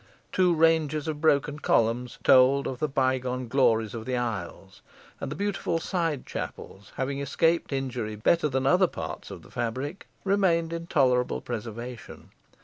Two ranges of broken columns told of the bygone glories of the aisles; and the beautiful side chapels having escaped injury better than other parts of the fabric, remained in tolerable preservation.